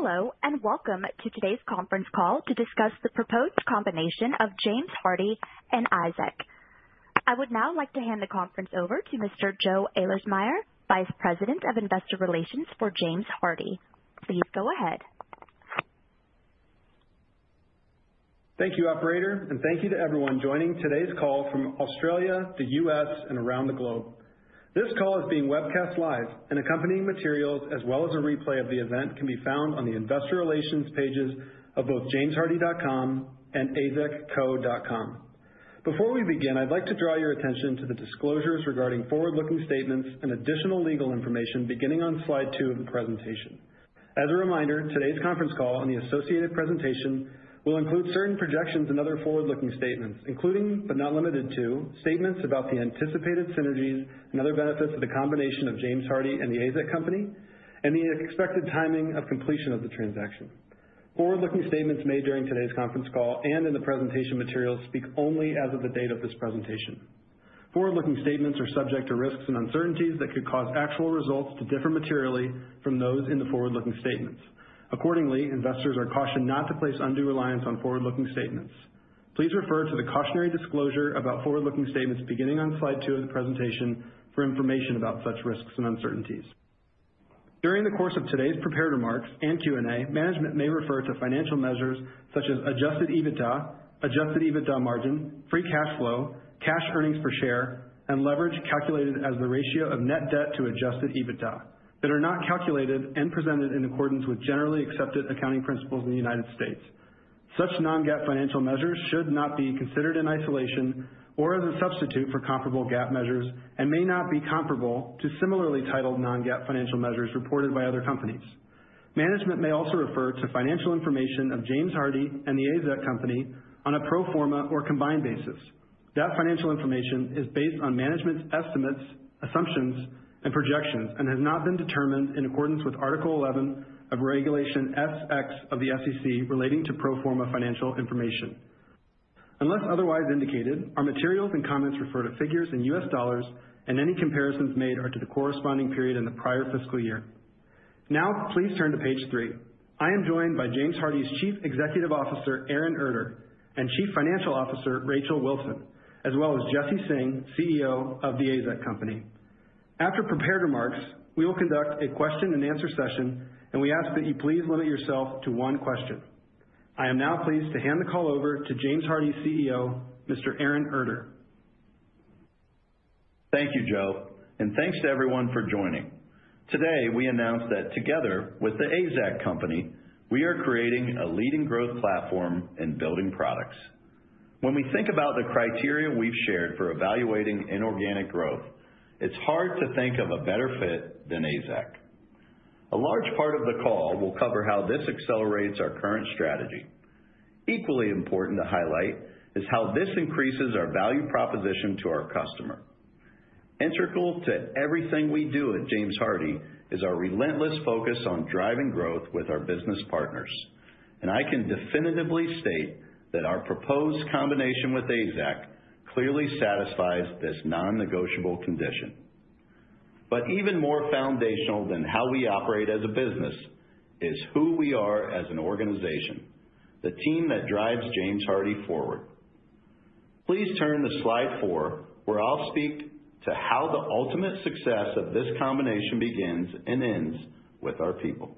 Hello and welcome to today's conference call to discuss the proposed combination of James Hardie and AZEK. I would now like to hand the conference over to Mr. Joe Ahlersmeyer, Vice President of Investor Relations for James Hardie. Please go ahead. Thank you Operator and thank you to everyone joining today's call from Australia, the U.S. and around the globe. This call is being webcast live and accompanying materials as well as a replay of the event can be found on the Investor Relations pages of both jameshardie.com and azekco.com. Before we begin, I'd like to draw your attention to the disclosures regarding forward looking statements and additional legal information beginning on slide two of the presentation. As a reminder, today's conference call and the associated presentation will include certain projections and other forward looking statements including but not limited to, statements about the anticipated synergies and other benefits of the combination of James Hardie and the AZEK Company and the expected timing of completion of the transaction. Forward looking statements made during today's conference call and in the presentation materials speak only as of the date of this presentation. Forward looking statements are subject to risks and uncertainties that could cause actual results to differ materially from those in the forward looking statements. Accordingly, investors are cautioned not to place undue reliance on forward looking statements. Please refer to the cautionary disclosure about forward looking statements beginning on slide 2 of the presentation for information about such risks and uncertainties. During the course of today's prepared remarks and Q and A, management may refer to financial measures such as adjusted EBITDA, adjusted EBITDA margin, free cash flow, cash earnings per share and leverage calculated as the ratio of net debt to adjusted EBITDA that are not calculated and presented in accordance with Generally Accepted Accounting Principles in the United States. Such non-GAAP financial measures should not be considered in isolation or as a substitute for comparable GAAP measures and may not be comparable to similarly titled non-GAAP financial measures reported by other companies. Management may also refer to financial information of James Hardie and the AZEK Company on a pro forma or combined basis. That financial information is based on management's estimates, assumptions and projections and has not been determined in accordance with Article 11 of Regulation S-X of the SEC relating to pro forma financial information. Unless otherwise indicated, our materials and comments refer to figures in US Dollars and any comparisons made are to the corresponding period in the prior fiscal year. Now please turn to page three. I am joined by James Hardie's Chief Executive Officer Aaron Erter and Chief Financial Officer Rachel Wilson, as well as Jesse Singh, CEO of the AZEK Company. After prepared remarks, we will conduct a question and answer session and we ask that you please limit yourself to one question. I am now pleased to hand the call over to James Hardie CEO, Mr. Aaron Erter. Thank you, Joe. And thanks to everyone for joining. Today we announced that together with the AZEK Company, we are creating a leading growth platform in building products. When we think about the criteria we have shared for evaluating inorganic growth, it is hard to think of a better fit than AZEK. A large part of the call will cover how this accelerates our current strategy. Equally important to highlight is how this increases our value proposition to our customer. Integral to everything we do at James Hardie is our relentless focus on driving growth with our business partners. I can definitively state that our proposed combination with AZEK clearly satisfies this non-negotiable condition. Even more foundational than how we operate as a business is who we are as an organization. The team that drives James Hardie forward. Please turn to slide four where I'll speak to how the ultimate success of this combination begins and ends with our people.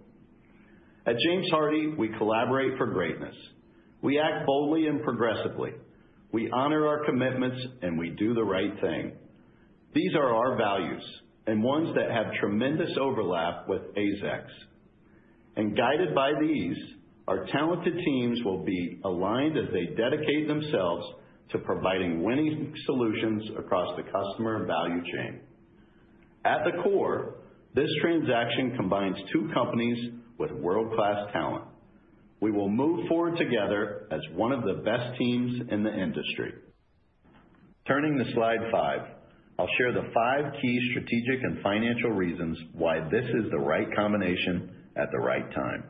At James Hardie, we collaborate for greatness, we act boldly and progressively, we honor our commitments, and we do the right thing. These are our values and ones that have tremendous overlap with AZEK. Guided by these, our talented teams will be aligned as they dedicate themselves to providing winning solutions across the customer value chain. At the core, this transaction combines two companies with world-class talent. We will move forward together as one of the best teams in the industry. Turning to slide five, I'll share the five key strategic and financial reasons why this is the right combination at the right time.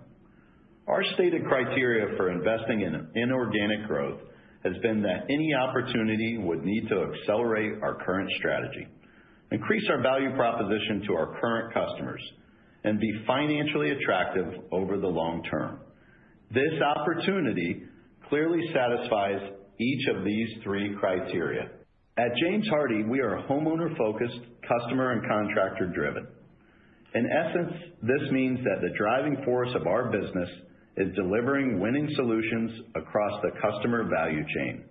Our stated criteria for investing in inorganic growth has been that any opportunity would need to accelerate our current strategy, increase our value proposition to our current customers and be financially attractive over the long term. This opportunity clearly satisfies each of these three criteria. At James Hardie, we are homeowner focused, customer and contractor driven. In essence, this means that the driving force of our business is delivering winning solutions across the customer value chain.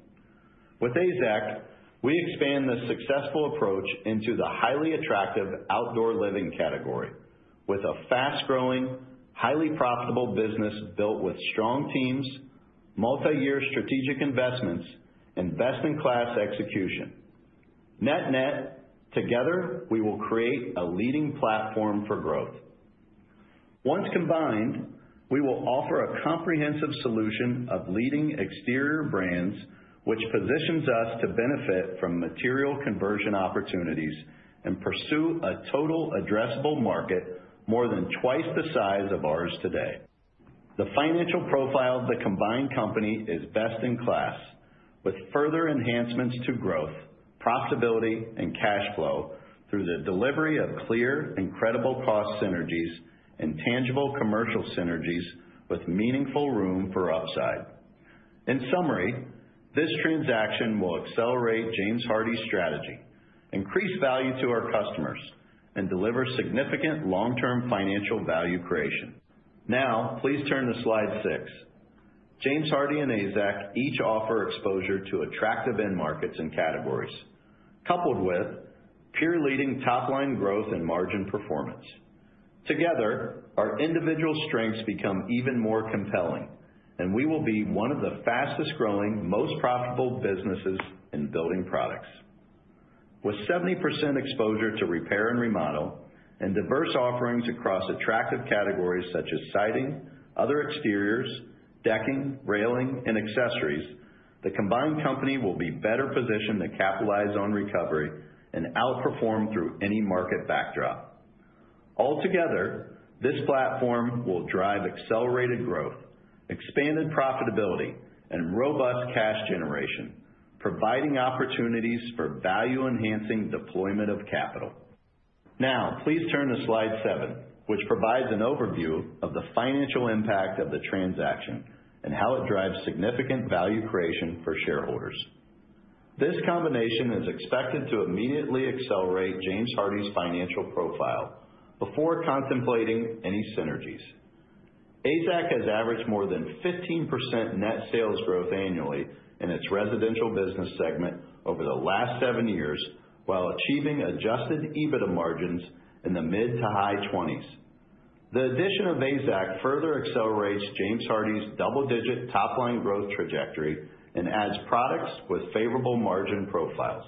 With AZEK, we expand this successful approach into the highly attractive outdoor living category. With a fast growing, highly profitable business built with strong teams, multiyear strategic investments and best in class execution. Net net, together we will create a leading platform for growth. Once combined, we will offer a comprehensive solution of leading exterior brands which positions us to benefit from material conversion opportunities and pursue a total addressable market more than twice the size of ours. Today, the financial profile of the combined company is best in class, with further enhancements to growth, profitability and cash flow through the delivery of clear, incredible cost synergies and tangible commercial synergies with meaningful room for upside. In summary, this transaction will accelerate James Hardie's strategy, increase value to our customers and deliver significant long term financial value creation. Now please turn to slide six. James Hardie and AZEK each offer exposure to attractive end markets and categories coupled with peer leading top line growth and margin performance. Together our individual strengths become even more compelling and we will be one of the fastest growing, most profitable businesses in the world in building products. With 70% exposure to repair and remodel and diverse offerings across attractive categories such as siding, other exteriors, decking, railing and accessories, the combined company will be better positioned to capitalize on recovery and outperform through any market backdrop. Altogether, this platform will drive accelerated growth, expanded profitability and robust cash generation, providing opportunities for value enhancing deployment of capital. Now please turn to slide seven which provides an overview of the financial impact of the transaction and how it drives significant value creation for shareholders. This combination is expected to immediately accelerate James Hardie's financial profile. Before contemplating any synergies, AZEK has averaged more than 15% net sales growth annually in its residential business segment over the last seven years while achieving adjusted EBITDA margins in the mid to high 20s. The addition of AZEK further accelerates James Hardie's double digit top line growth trajectory and adds products with favorable margin profiles.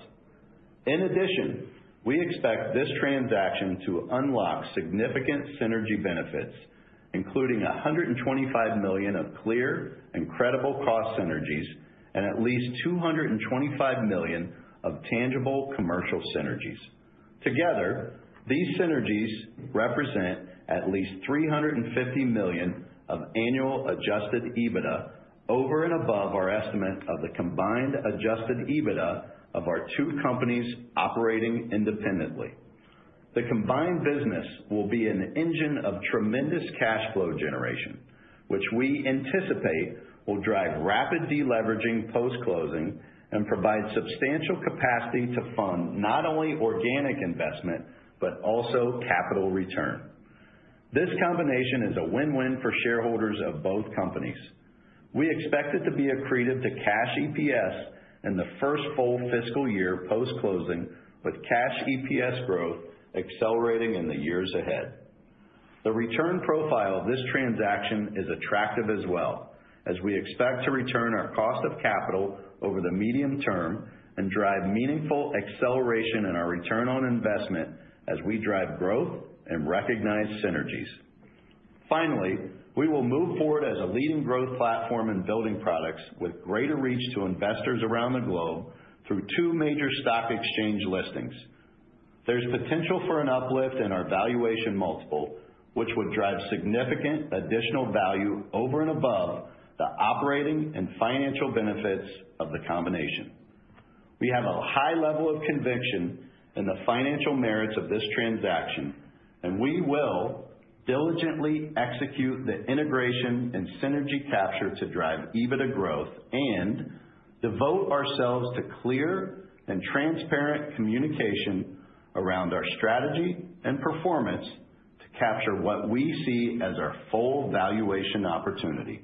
In addition, we expect this transaction to unlock significant synergy benefits from including $125 million of clear and credible cost synergies and at least $225 million of tangible commercial synergies. Together these synergies represent at least $350 million of annual adjusted EBITDA over and above our estimate of the combined adjusted EBITDA of our two companies operating independently. The combined business will be an engine of tremendous cash flow generation which we anticipate will drive rapid deleveraging post closing and provide substantial capacity to fund not only organic investment but also capital return. This combination is a win win for shareholders of both companies. We expect it to be accretive to cash EPS and in the first full fiscal year post closing. With cash EPS growth accelerating in the years ahead. The return profile of this transaction is attractive as well as we expect to return our cost of capital over the medium term and drive meaningful acceleration in our return on investment as we drive growth and recognize synergies. Finally, we will move forward as a leading growth platform in building products with greater reach to investors around the globe through two major stock exchange listings. There is potential for an uplift in our valuation multiple which would drive significant additional value over and above the operating and financial benefits of the combination. We have a high level of conviction in the financial merits of this transaction and we will diligently execute the integration and synergy capture to drive EBITDA growth and devote ourselves to clear and transparent communication around our strategy and performance to capture what we see as our full valuation opportunity.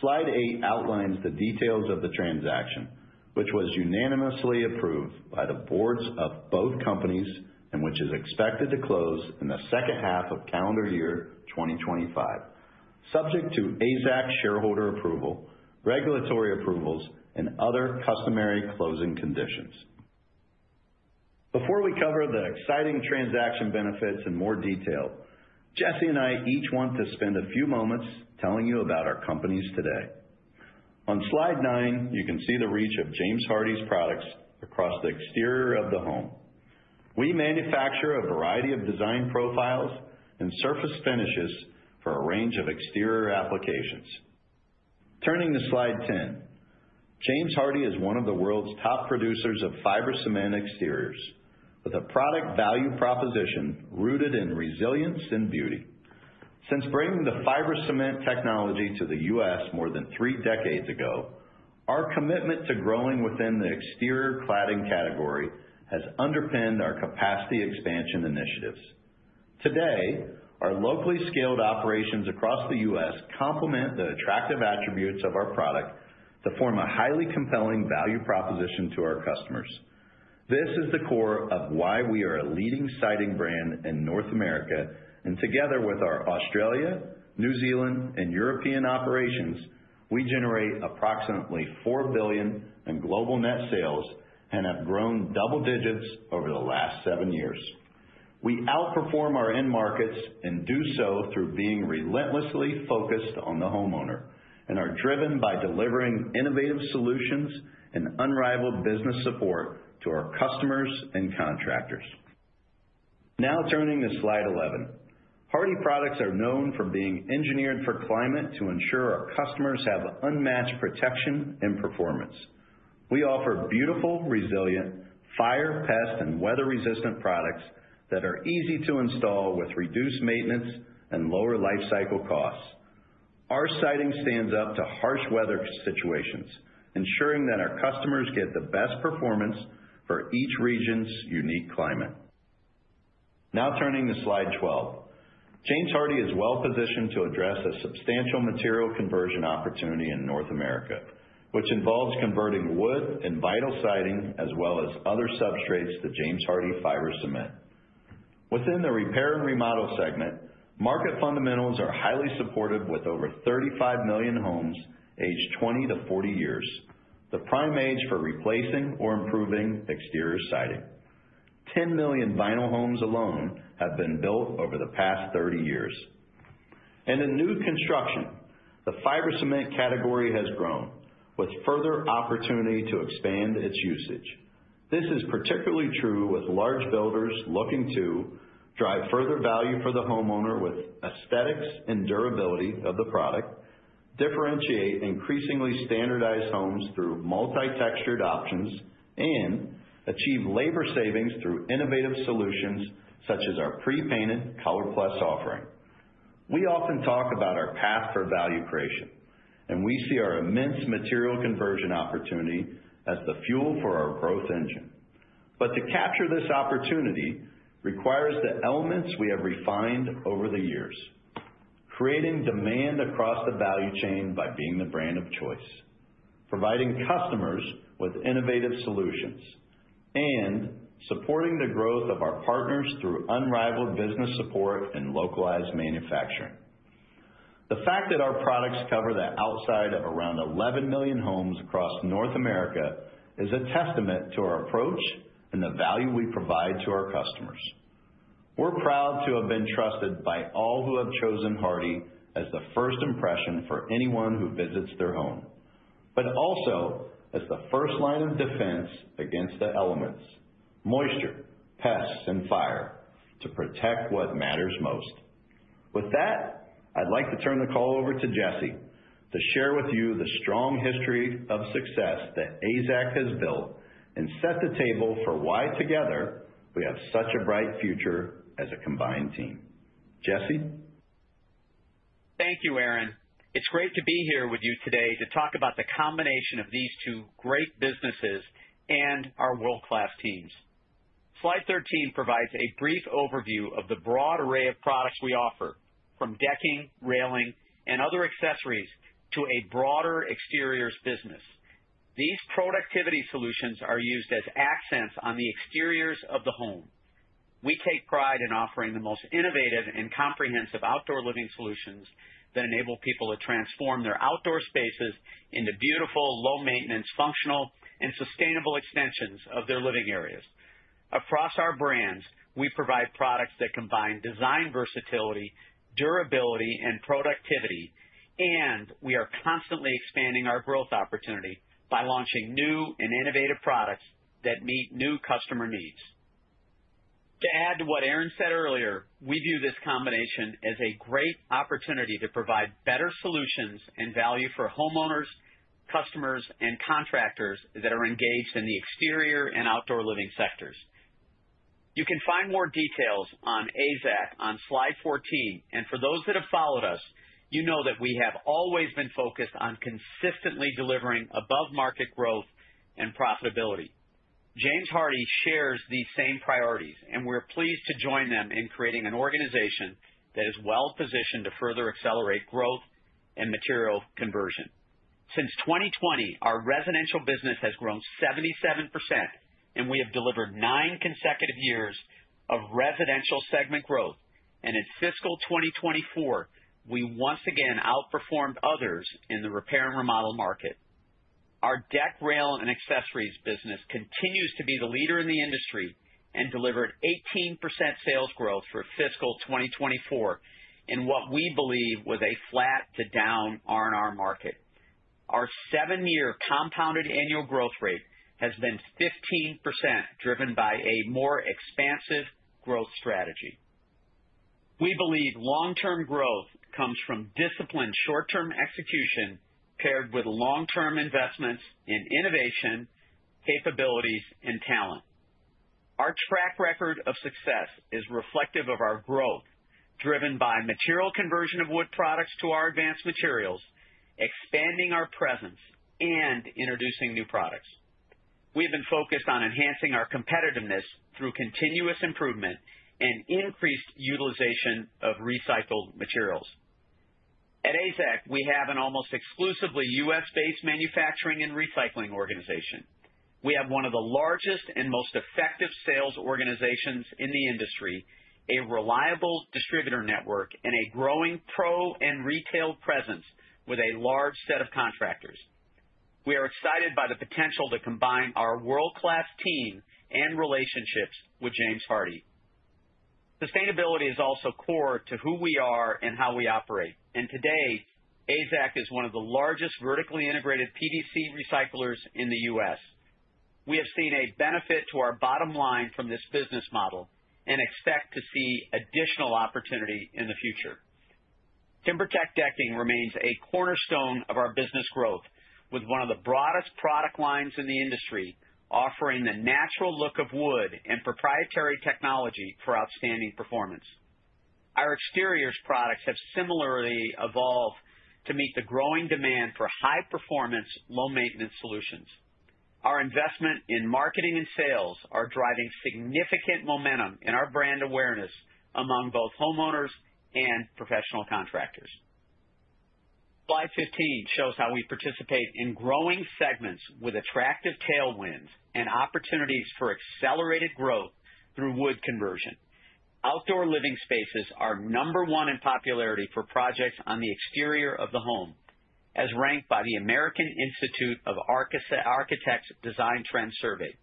Slide eight outlines the details of the transaction, which was unanimously approved by the boards of both companies and which is expected to close in the second half of calendar year 2025, subject to AZEK shareholder approval, regulatory approvals and other customary closing conditions. Before we cover the exciting transaction benefits in more detail, Jesse and I each want to spend a few moments telling you about our companies. Today on slide nine, you can see the reach of James Hardie's products across the exterior of the home. We manufacture a variety of design profiles and surface finishes for a range of exterior applications. Turning to slide 10, James Hardie is one of the world's top producers of fiber cement exteriors with a product value proposition rooted in resilience and beauty. Since bringing the fiber cement technology to the US more than three decades ago, our commitment to growing within the exterior cladding category has underpinned our capacity expansion initiatives. Today, our locally scaled operations across the US complement the attractive attributes of our product to form a highly compelling value proposition to our customers. This is the core of why we are a leading siding brand in North America and together with our Australia, New Zealand and European operations, we generate approximately $4 billion in global net sales and have grown double digits over the last seven years. We outperform our end markets and do so through being relentlessly focused on the homeowner and are driven by delivering innovative solutions and unrivaled business support to our customers and contractors. Now turning to slide 11, Hardie products are known for being engineered for climate to ensure our customers have unmatched protection and performance. We offer beautiful, resilient fire, pest and weather resistant products that are easy to install with reduced maintenance and lower life cycle costs. Our siding stands up to harsh weather situations, ensuring that our customers get the best performance for each region's unique climate. Now turning to slide 12, James Hardie is well positioned to address a substantial material conversion opportunity in North America which involves converting wood and vinyl siding as well as other substrates to James Hardie fiber cement. Within the repair and remodel segment, market fundamentals are highly supportive. With over 35 million homes aged 20-40 years, the prime age for replacing or improving exterior siding. 10 million vinyl homes alone have been built over the past 30 years and in new construction, the fiber cement category has grown with further opportunity to expand its usage. This is particularly true with large builders looking to drive further value for the homeowner with aesthetics and durability of the product, differentiate increasingly standardized homes through multi textured options and achieve labor savings through innovative solutions such as our pre-painted ColorPlus offering. We often talk about our path for value creation and we see our immense material conversion opportunity as the fuel for our growth engine. To capture this opportunity requires the elements we have refined over the years, creating demand across the value chain by being the brand of choice, providing customers with innovative solutions and supporting the growth of our partners through unrivaled business support and localized manufacturing. The fact that our products cover the outside of around 11 million homes across North America is a testament to our approach and the value we provide to our customers. We are proud to have been trusted by all who have chosen Hardie as the first impression for anyone who visits their home, but also as the first line of defense against the elements, moisture, pests and fire to protect what matters most. With that, I'd like to turn the call over to Jesse to share with you the strong history of success that AZEK has built and set the table for why together we have such a bright future as a combined team. Jesse Thank you Aaron. It's great to be here with you today to talk about the combination of these two great businesses and our world class teams. Slide 13 provides a brief overview of the broad array of products we offer from decking, railing and other accessories to a broader exteriors business. These productivity solutions are used as accents on the exteriors of the home. We take pride in offering the most innovative and comprehensive outdoor living solutions that enable people to transform their outdoor spaces into beautiful, low maintenance, functional and sustainable extensions of their living areas. Across our brands, we provide products that combine design, versatility, durability and productivity and we are constantly expanding our growth opportunity by launching new and innovative products that meet new customer needs. To add to what Aaron said earlier, we view this combination as a great opportunity to provide better solutions and value for homeowners, customers, and contractors that are engaged in the exterior and outdoor living sectors. You can find more details on AZEK on slide 14 and for those that have followed us, you know that we have always been focused on consistently delivering above market growth profitability. James Hardie shares these same priorities and we're pleased to join them in creating an organization that is well positioned to further accelerate growth and material conversion. Since 2020, our residential business has grown 77% and we have delivered nine consecutive years of residential segment growth and in fiscal 2024 we once again outperformed others in the repair and remodel market. Our deck rail and accessories business continues to be the leader in the industry and delivered 18% sales growth for fiscal 2024 in what we believe was a flat to down R&R market. Our seven year compounded annual growth rate has been 15% driven by a more expansive growth strategy. We believe long term growth comes from disciplined short term execution paired with long term investments in innovation, capabilities, and talent. Our track record of success is reflective of our growth driven by material conversion of wood products to our advanced materials, expanding our presence and introducing new products. We have been focused on enhancing our competitiveness through continuous improvement and increased utilization of recycled materials. At James Hardie Industries, we have an almost exclusively U.S. based manufacturing and recycling organization. We have one of the largest and most effective sales organizations in the industry, a reliable distributor network and a growing pro and retail presence with a large set of contractors. We are excited by the potential to combine our world class team and relationships with James Hardie. Sustainability is also core to who we are and how we operate and today AZEK is one of the largest vertically integrated PVC recyclers in the US. We have seen a benefit to our bottom line from this business model and expect to see additional opportunity in the future. TimberTech decking remains a cornerstone of our business growth with one of the broadest product lines in the industry offering the natural look of wood and proprietary technology for outstanding performance. Our exteriors products have similarly evolved to meet the growing demand for high performance low maintenance solutions. Our investment in marketing and sales are driving significant momentum in our brand awareness among both homeowners and professional contractors. Slide 15 shows how we participate in growing segments with attractive tailwinds and opportunities for accelerated growth through wood conversion. Outdoor living spaces are number one in popularity for projects on the exterior of the home as ranked by the American Institute of Architects Design Trend Survey.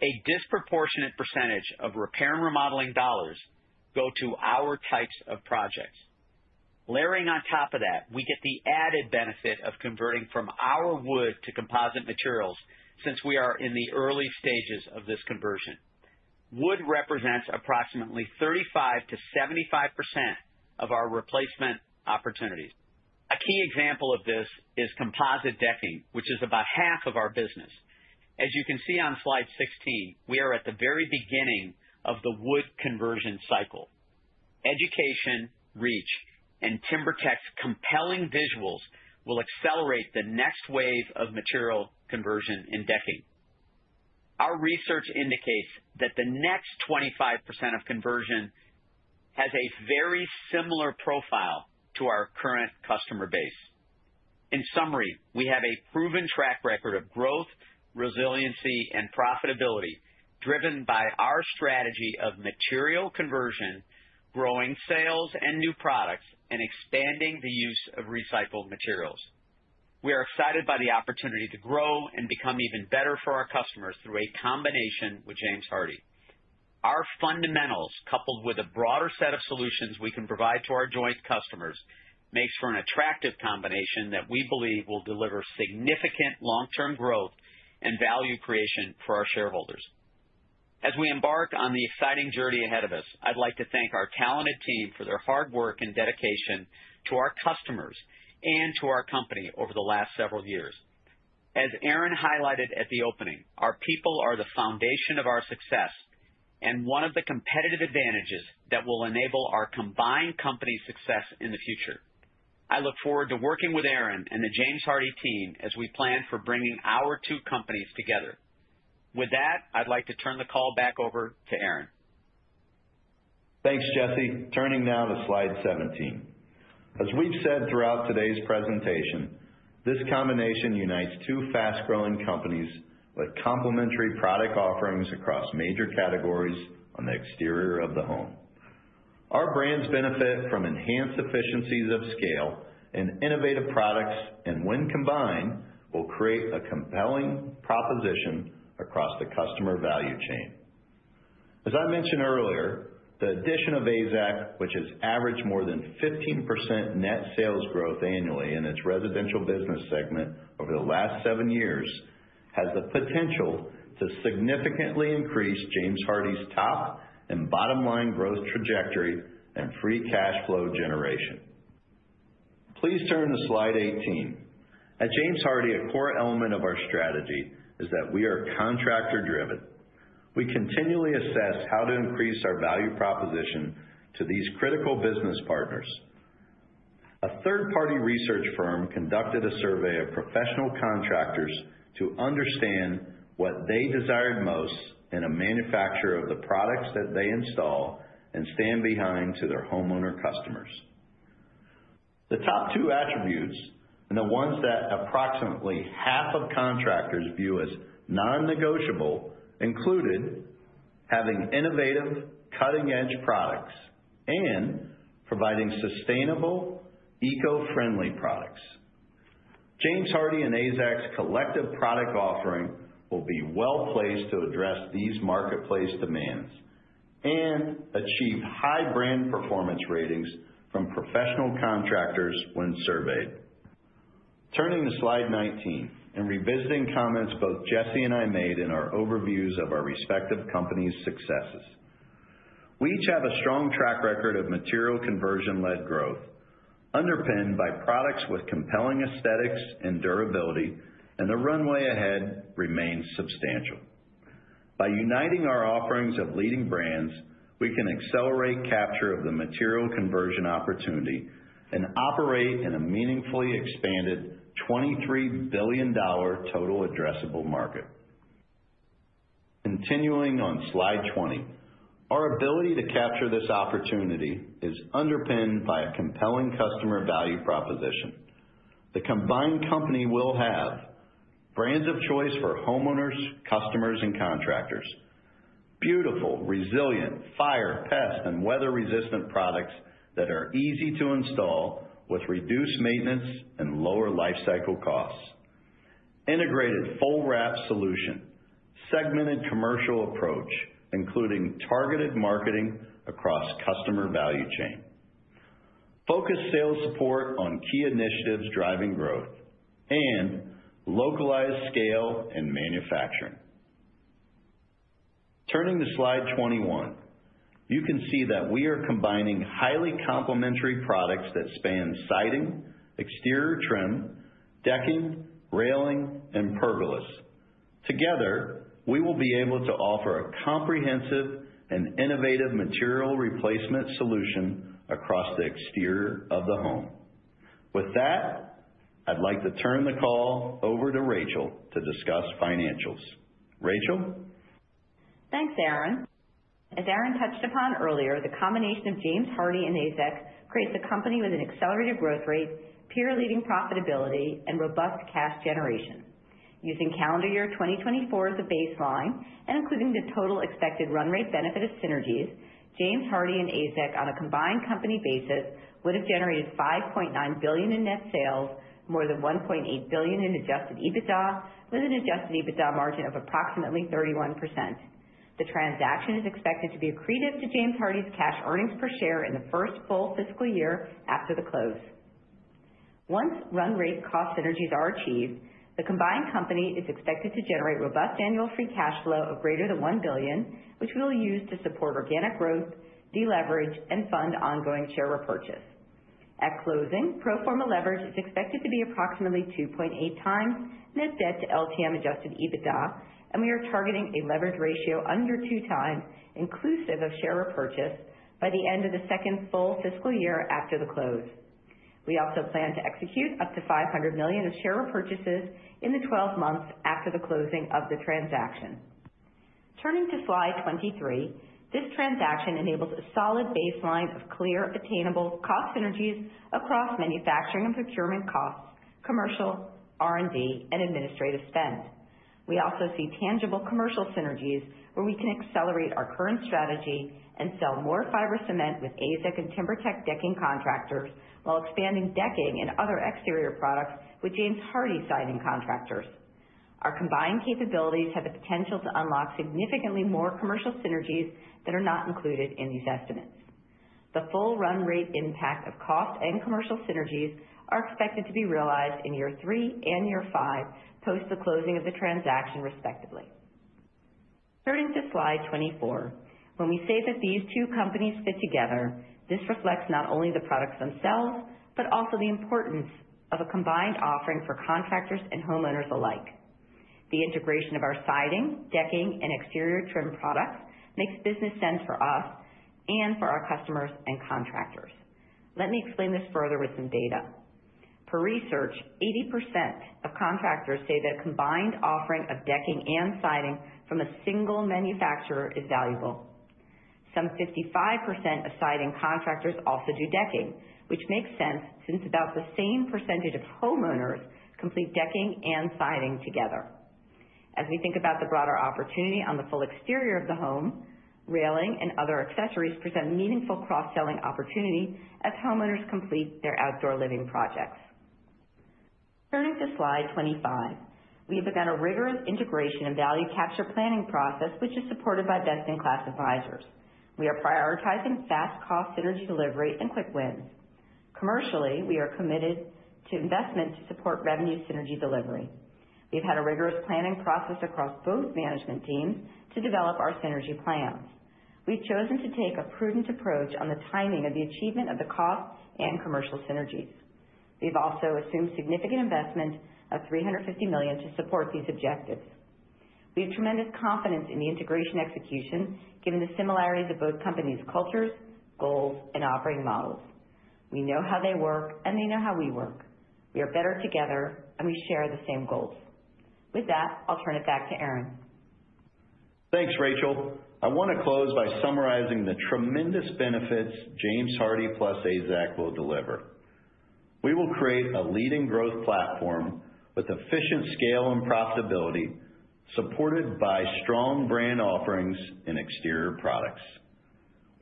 A disproportionate percentage of repair and remodeling dollars go to our types of projects layering. On top of that, we get the added benefit of converting from our wood to composite materials. Since we are in the early stages of this conversion, wood represents approximately 35%-75% of our replacement opportunities. A key example of this is composite decking which is about half of our business. As you can see on slide 16, we are at the very beginning of the wood conversion cycle. Education, reach, and TimberTech's compelling visuals will accelerate the next wave of material conversion in decking. Our research indicates that the next 25% of conversion has a very similar profile to our current customer base. In summary, we have a proven track record of growth, resiliency, and profitability driven by our strategy of material conversion, growing sales and new products, and expanding the use of recycled materials. We are excited by the opportunity to grow and become even better for our customers through a combination with James Hardie. Our fundamentals coupled with a broader set of solutions we can provide to our joint customers makes for an attractive combination that we believe will deliver significant long term growth and value creation for our shareholders as we embark on the exciting journey ahead of us. I'd like to thank our talented team for their hard work and dedication to our customers and to our company over the last several years. As Aaron highlighted at the opening, our people are the foundation of our success and one of the competitive advantages that will enable our combined company success in the future. I look forward to working with Aaron and the James Hardie team as we plan for bringing our two companies together. With that, I'd like to turn the call back over to Aaron. Thanks Jesse. Turning now to slide 17. As we've said throughout today's presentation, this combination unites two fast growing companies with complementary product offerings across major categories on the exterior of the home. Our brands benefit from enhanced efficiencies of scale and innovative products and when combined will create a compelling proposition across the customer value chain. As I mentioned earlier, the addition of AZEK, which has averaged more than 15% net sales growth annually in its residential business segment over the last seven years, has the potential to significantly increase James Hardie's top and bottom line growth trajectory and free cash flow generation. Please turn to Slide 18. At James Hardie, a core element of our strategy is that we are contractor driven. We continually assess how to increase our value proposition to these critical business partners. A third party research firm conducted a survey of professional contractors to understand what they desired most in a manufacturer of the products that they install and stand behind to their homeowner customers. The top two attributes, and the ones that approximately half of contractors view as non-negotiable, included having innovative cutting edge products and providing sustainable eco-friendly products. James Hardie and AZEK collective product offering will be well placed to address these marketplace demands and achieved high brand performance ratings from professional contractors when surveyed. Turning to slide 19 and revisiting comments both Jesse and I made in our overviews of our respective company's successes. We each have a strong track record of material conversion led growth underpinned by products with compelling aesthetics and durability, and the runway ahead remains substantial. By uniting our offerings of leading brands, we can accelerate capture of the material conversion opportunity and operate in a meaningfully expanded $23 billion total addressable market. Continuing on slide 20, our ability to capture this opportunity is underpinned by a compelling customer value proposition. The combined company will have brands of choice for homeowners, customers and contractors: beautiful, resilient, fire, pest and weather resistant products that are easy to install with reduced maintenance and lower life cycle costs. Integrated full wrap solution, segmented commercial approach including targeted marketing across customer value chain. Focus sales support on key initiatives driving growth and localized scale and manufacturing. Turning to slide 21, you can see that we are combining highly complementary products that span siding, exterior trim, decking, railing and pergolas. Together we will be able to offer a comprehensive and innovative material replacement solution across the exterior of the home. With that, I'd like to turn the call over to Rachel to discuss financials. Rachel, thanks Aaron. As Aaron touched upon earlier, the combination of James Hardie and AZEK creates a company with an accelerated growth rate, peer leading profitability, and robust cash generation. Using calendar year 2024 as a baseline and including the total expected run rate benefit of synergies, James Hardie and AZEK on a combined company basis would have generated $5.9 billion in net sales, more than $1.8 billion in adjusted EBITDA. With an adjusted EBITDA margin of approximately 31%, the transaction is expected to be accretive to James Hardie's cash earnings per share in the first full fiscal year after the close. Once run rate cost synergies are achieved, the combined company is expected to generate robust annual free cash flow of greater than $1 billion, which we will use to support organic growth, deleverage, and fund ongoing share repurchase.At closing, pro forma leverage is expected to be approximately 2.8 times net debt to LTM adjusted EBITDA and we are targeting a leverage ratio under 2x inclusive of share repurchase by the end of the second full fiscal year after the close. We also plan to execute up to $500 million of share repurchases in the 12 months after the closing of the transaction. Turning to slide 23, this transaction enables a solid baseline of clear attainable cost synergies across manufacturing and procurement costs, commercial R&D and administrative spend. We also see tangible commercial synergies where we can accelerate our current strategy and sell more fiber cement with AZEK and TimberTech decking contractors while expanding decking and other exterior products with James Hardie siding contractors, our combined capabilities have the potential to unlock significantly more commercial synergies that are not included in these estimates. The full run rate impact of cost and commercial synergies are expected to be realized in year 3 and year 5 post the closing of the transaction respectively. Turning to Slide 24, when we say that these two companies fit together, this reflects not only the products themselves but also the importance of a combined offering for contractors and homeowners alike. The integration of our siding, decking and exterior trim products makes business sense for us and for our customers and contractors. Let me explain this further with some data. Per research, 80% of contractors say that combined offering of decking and siding from a single manufacturer is valuable. Some 55% of siding contractors also do decking, which makes sense since about the same percentage of homeowners complete decking and siding together. As we think about the broader opportunity on the full exterior of the home, railing and other accessories present meaningful cross selling opportunity as homeowners complete their outdoor living projects. Turning to slide 25, we have begun a rigorous integration and value capture planning process which is supported by best-in-class advisors. We are prioritizing fast cost synergy delivery and quick wins. Commercially, we are committed to investment to support revenue synergy delivery. We've had a rigorous planning process across both management teams to develop our synergy plans. We've chosen to take a prudent approach on the timing of the achievement of the cost and commercial synergies. We've also assumed significant investment of $350 million to support these objectives. We have tremendous confidence in the integration execution given the similarities of both companies, cultures, goals and operating models. We know how they work and they know how we work. We are better together and we share the same goals. With that, I'll turn it back to Aaron. Thanks, Rachel. I want to close by summarizing the tremendous benefits James Hardie plus AZEK will deliver. We will create a leading growth platform with efficient scale and profitability supported by strong brand offerings and exterior products.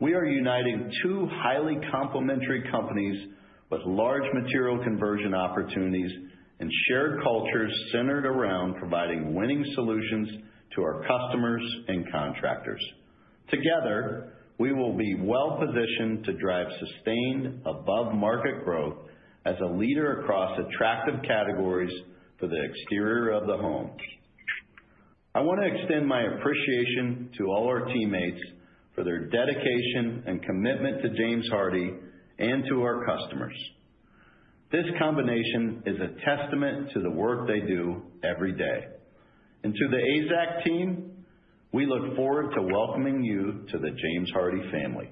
We are uniting two highly complementary companies with large material conversion opportunities and shared cultures centered around providing winning solutions to our customers and contractors. Together we will be well positioned to drive sustained above market growth as a leader across attractive categories for the exterior of the home. I want to extend my appreciation to all our teammates for their dedication and commitment to James Hardie and to our customers. This combination is a testament to the work they do every day. To the AZEK team, we look forward to welcoming you to the James Hardie family.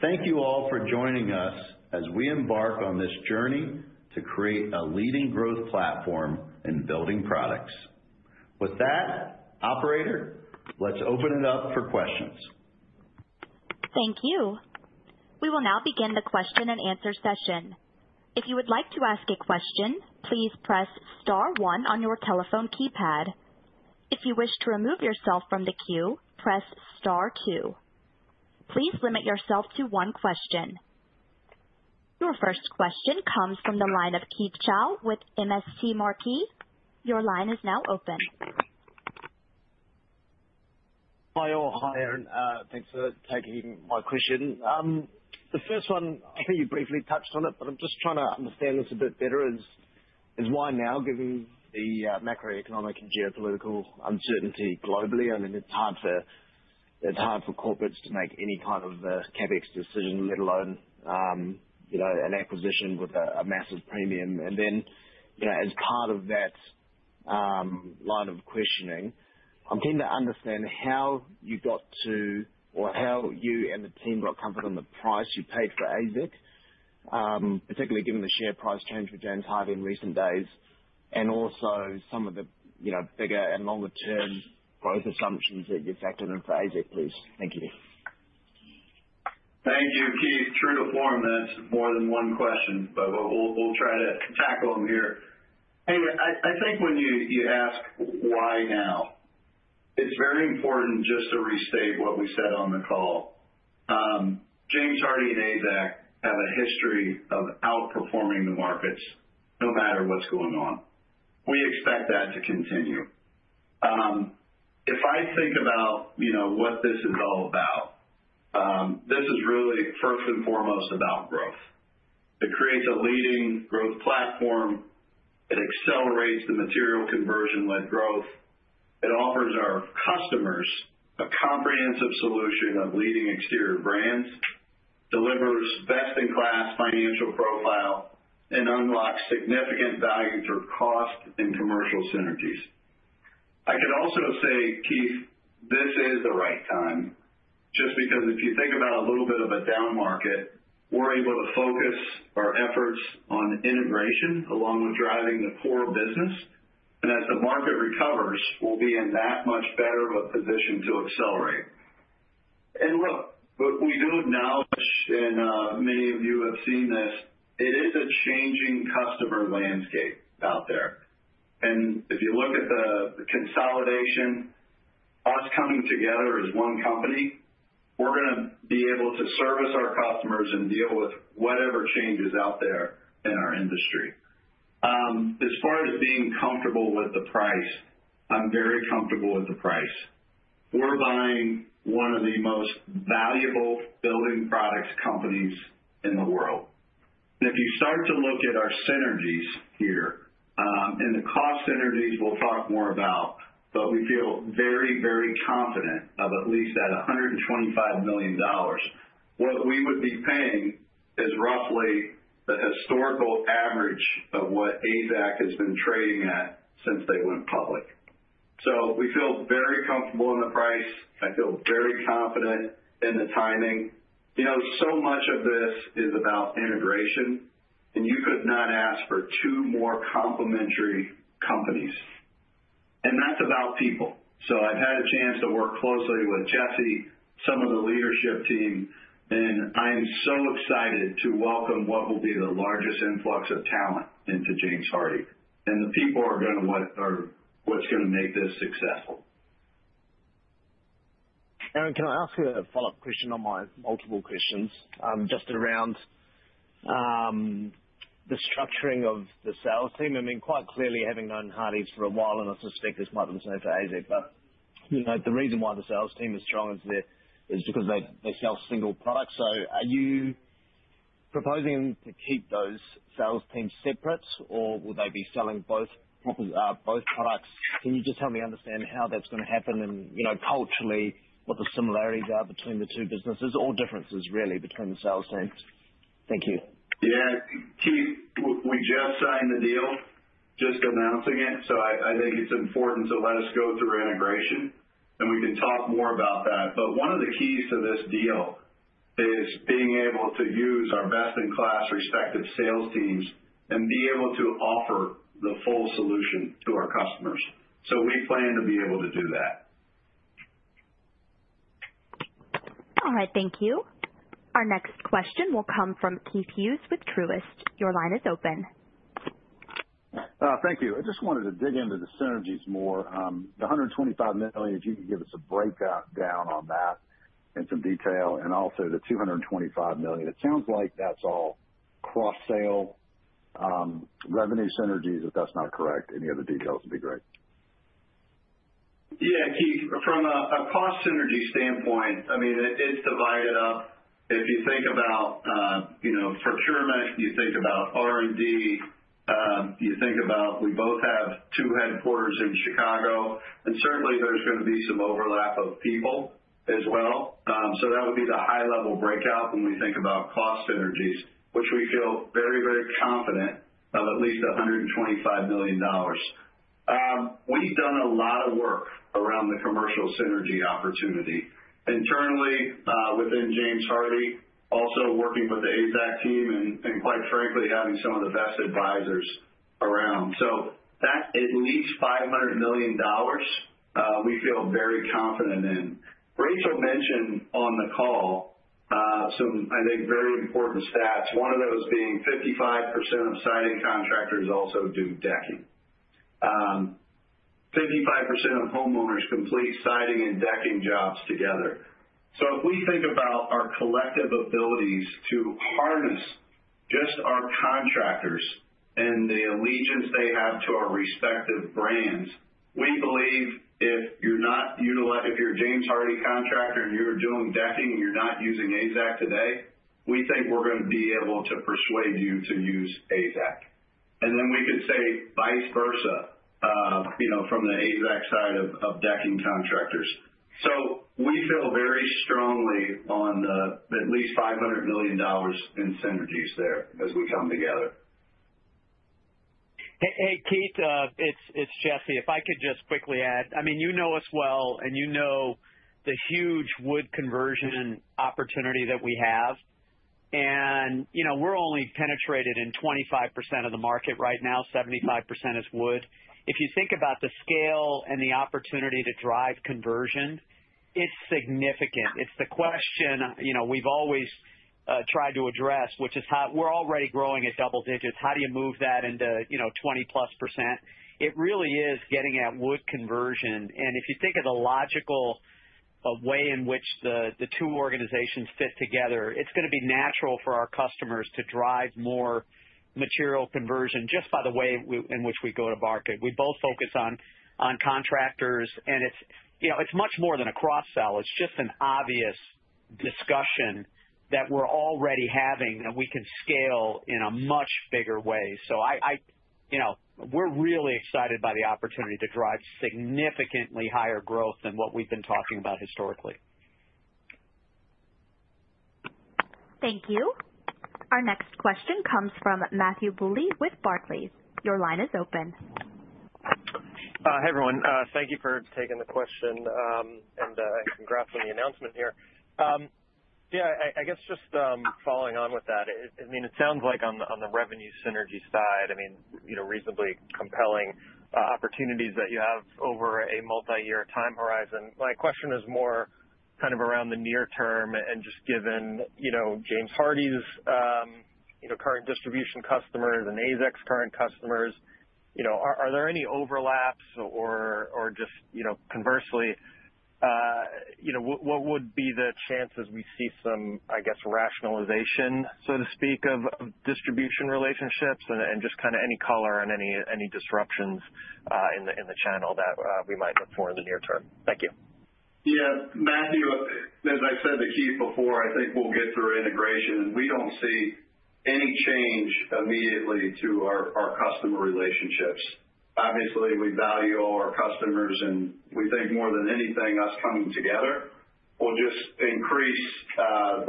Thank you all for joining us as we embark on this journey to create a leading growth platform in building products. With that, operator, let's open it up for questions. Thank you. We will now begin the question and answer session. If you would like to ask a question, please press star one on your telephone keypad. If you wish to remove yourself from the queue, press star q. Please limit yourself to one question. Your first question comes from the line of Keith Chau with MST Marquee. Your line is now open. Hi all. Hi Aaron. Thanks for taking my question. The first one, I think you briefly touched on it, but I'm just trying to understand this a bit better. Why now, given the macroeconomic and geopolitical uncertainty globally? I mean, it's hard for corporates to make any kind of CapEx decision, let alone an acquisition with a massive premium. As part of that line of questioning, I'm keen to understand how you got to, or how you and the team got comfortable in the price you paid for AZEK, particularly given the share price change for James Hardie in recent days and also some of the, you know, bigger and longer term growth assumptions that you factored in for AZEK. Please. Thank you. Thank you, Keith. True to form, that's more than one question but we'll try to tackle them here. I think when you ask why now it's very important just to restate what we said on the call. James Hardie and AZEK have a history of outperforming the markets. No matter what's going on, we expect that to continue. If I think about, you know, what this is all about, this is really first and foremost about growth. It creates a leading growth platform, it accelerates the material conversion led growth. It offers our customers a comprehensive solution of leading exterior brands, delivers best in class financial profile and unlocks significant value through cost and commercial synergies. I could also say, Keith, this is the right time just because if you think about a little bit of a down market, we're able to focus our efforts on integration along with driving the core business. If the market recovers, we'll be in that much better of a position to accelerate. Look, we do acknowledge, and many of you have seen this, it is a changing customer landscape out there, and if you look at the consolidation, us coming together as one company, we're going to be able to service our customers and deal with whatever change is out there in our industry. As far as being comfortable with the price, I'm very comfortable with the price. We're buying one of the most valuable building products companies in the world. If you start to look at our synergies here and the cost synergies, we'll talk more about. We feel very, very confident of at least that $125 million. What we would be paying is roughly the historical average of what AZEK has been trading at since they went public. We feel very comfortable in the price. I feel very confident in the timing. You know, so much of this is about integration and you could not ask for two more complementary companies and that's about people. I have had a chance to work closely with Jesse, some of the leadership team and I am so excited to welcome what will be the largest influx of talent into James Hardie. The people are going to what are, what's going to make this successful? Aaron, can I ask a follow up question on my multiple questions just around the structuring of the sales team? I mean quite clearly having known Hardie for a while and I suspect this. Might be the same for AZEK, but the reason why the sales team is strong is because they sell single products. Are you proposing to keep those sales teams separate or will they be selling both products? Can you just help me understand how? That's going to happen and culturally what the similarities are between the two businesses or differences really between the sales teams? Thank you. Yeah, Keith, we just signed the deal, just announcing it. I think it's important to let us go through integration and we can talk more about that. One of the keys to this deal is being able to use our best-in-class respective sales teams and be able to offer the full solution to our customers. We plan to be able to do that. All right, thank you. Our next question will come from Keith Hughes with Truist. Your line is open. Thank you. I just wanted to dig into the synergies more. The $125 million, if you could give us a breakdown on that in some detail. Also, the $225 million, it sounds like that's all cross sale revenue synergies. If that's not correct, any other details would be great. Yeah, Keith, from a cost synergy standpoint, I mean it's divided up. If you think about, you know, procurement, you think about R&D, you think about we both have two headquarters in Chicago and certainly there's going to be some overlap of people as well. That would be the high level breakout. When we think about cost synergies, which we feel very, very confident of at least $125 million. We've done a lot of work around the commercial synergy opportunity internally within James Hardie, also working with the AZEK team and quite frankly having some of the best advisors around so that at least $500 million we feel very confident in. Rachel mentioned on the call some, I think very important stats. One of those being 55% of siding contractors also do decking, 55% of homeowners complete siding and decking jobs together. If we think about our collective abilities to harness just our contractors and the allegiance they have to our respective brands, we believe if you're not, if you're a James Hardie contractor and you're doing decking and you're not using AZEK today, we think we're going to be able to persuade you to use AZEK and then we could say vice versa, you know, from the AZEK side of decking contractors. We feel very strongly on at least $500 million in synergies there as we come together. Keith, it's Jesse, if I could just quickly add, I mean, you know us well and you know the huge wood conversion opportunity that we have and you know, we're only penetrated in 25% of the market right now, 75% is wood. If you think about the scale and the opportunity to drive conversion, it's significant. It's the question, you know, we've always tried to address, which is how we're already growing at double digits. How do you move that into 20%+? It really is getting at wood conversion. If you think of the logical way in which the two organizations fit together, it's going to be natural for our customers to drive more material conversion. Just by the way in which we go to market, we both focus on contractors and it's much more than a cross-sell. It's just an obvious discussion that we're already having and we can scale in a much bigger way. I, you know, we're really excited by the opportunity to drive significantly higher growth than what we've been talking about historically. Thank you. Our next question comes from Matthew Bouley with Barclays. Your line is open. Hi everyone. Thank you for taking the question and congrats on the announcement here. I guess just following on with that, I mean it sounds like on the revenue synergy side, I mean, reasonably compelling opportunities that you have over a multi year time horizon. My question is more kind of around the near term and just given James Hardie's current distribution customers and AZEK's current customers, are there any overlaps or just conversely, what would be the chances we see some, I guess, rationalization, so to speak, of distribution? Relationships and just kind of any color. On any disruptions in the channel that we might look for in the near term? Thank you Yes, Matthew, as I said to Keith before, I think we'll get through integration and we don't see any change immediately to our customer relationships. Obviously we value all our customers and we think more than anything, us coming together will just increase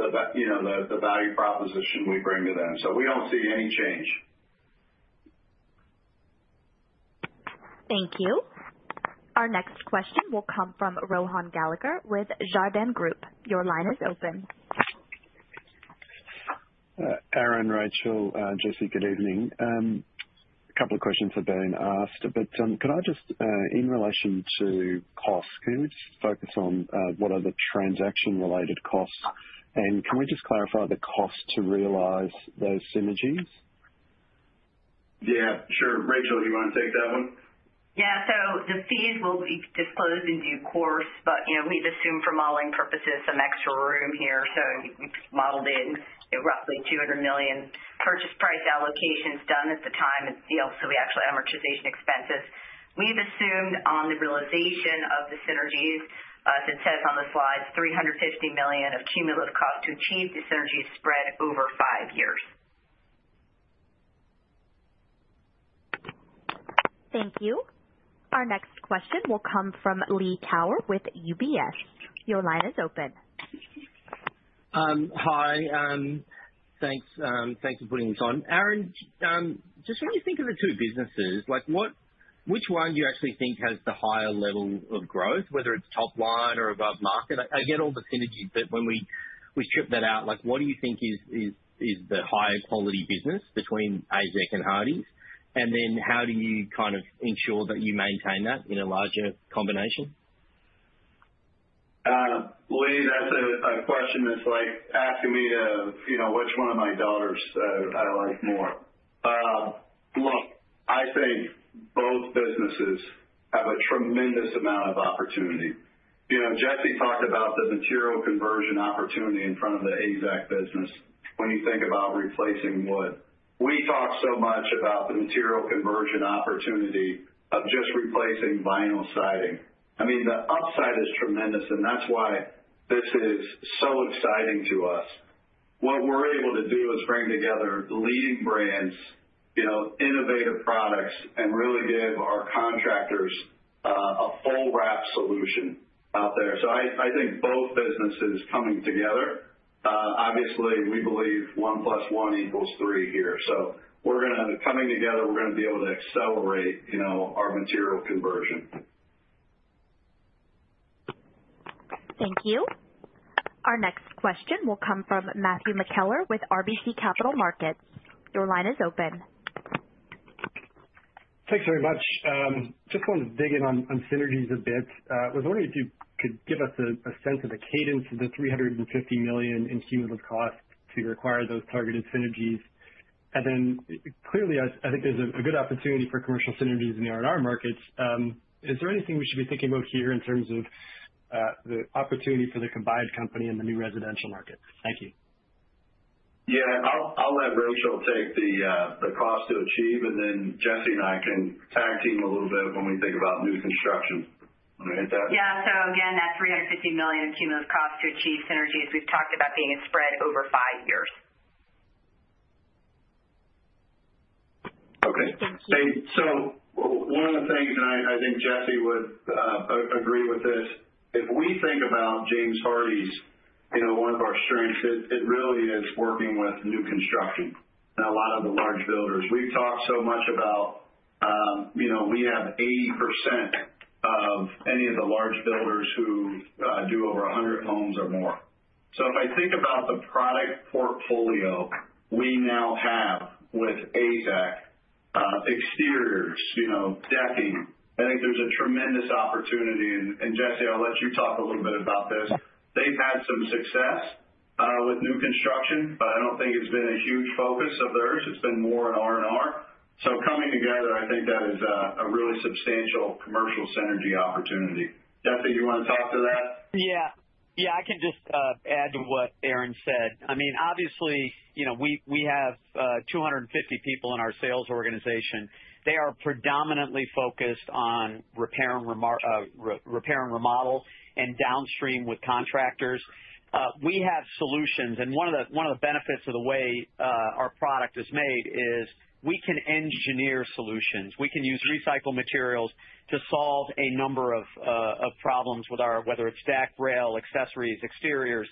the value proposition we bring to them. We don't see any change. Thank you. Our next question will come from Rohan Gallagher with Jarden Group. Your line is open. Aaron, Rachel and Jesse, good evening. A couple of questions have been asked, but could I just. In relation to costs, can you just focus on what are the transaction related costs and can we just clarify the cost to realize those synergies? Yeah, sure. Rachel, do you want to take that one? Yeah. The fees will be disclosed in due course, but we've assumed for modeling purposes some extra room here. We modeled in roughly $200 million purchase price allocations done at the time. The actual amortization expenses we've assumed on the realization of the synergies. As it says on the slides, $350 million of cumulative cost to achieve the synergies spread over five years. Thank you. Our next question will come from Lee Power with UBS. Your line is open. Hi. Thanks. Thanks for putting this on. Aaron. Just when you think of the two businesses, like what which one do you actually think has the higher level of growth, whether it's top line or above market? I get all the synergies. When we strip that out, what do you think is the higher quality business between AZEK and Hardie’s? How do you kind of ensure that you maintain that in a larger combination? Lee, that's a question that's like asking me, you know, which one of my daughters I like more. Look, I think both businesses have a tremendous amount of opportunity. You know, Jesse talked about the material conversion opportunity in front of the AZEK business. When you think about replacing wood, we talk so much about the material conversion opportunity of just replacing vinyl siding. I mean, the upside is tremendous and that's why this is so exciting to us. What we're able to do is bring together leading brands, you know, innovative products and really give our contractors a full wrap solution out there. I think both businesses coming together, obviously we believe one plus one equals three here. We're going to be coming together, we're going to be able to accelerate our material conversion. Thank you. Our next question will come from Matthew McKellar with RBC Capital Markets. Your line is open. Thanks very much. Just wanted to dig in on synergies a bit. Was wondering if you could give us a sense of the cadence of the $350 million in cumulative costs to require those targeted synergies and then clearly I think there's a good opportunity for commercial synergies in the R&R markets. Is there anything we should be thinking about here in terms of the opportunity for the combined company in the new residential market? Thank you. Yeah, I'll let Rachel take the cost to achieve and then Jesse and I can tag team a little bit when we think about new construction. Yeah. Again, that $350 million accumulative cost to achieve synergies we've talked about being a spread over five years. Okay. One of the things, and I think Jesse would agree with this, if we think about James Hardie's, you know, one of our strengths, it really is working with new construction. A lot of the large builders we've talked so much about, you know, we have 80% of any of the large builders who do over 100 homes or more. If I think about the product portfolio we now have with AZEK exteriors decking, I think there's a tremendous opportunity. Jesse, I'll let you talk a little bit about this. They've had some success with new construction, but I don't think it's been a huge focus of theirs. It's been more in R&R so coming together, I think that is a really substantial commercial synergy opportunity. Jesse, you want to talk to that? Yeah, yeah. I can just add to what Aaron said. I mean, obviously, you know, we have 250 people in our sales organization. They are predominantly focused on repair and remodel and downstream with contractors. We have solutions and one of the benefits of the way our product is made is we can engineer solutions. We can use recycled materials to solve a number of problems with our, whether it's deck rail, accessories, exteriors.